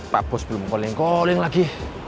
pak bos belum calling calling lagi